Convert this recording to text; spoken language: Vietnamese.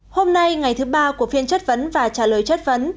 hôm nay ngày thứ ba của phiên chất vấn và trả lời chất vấn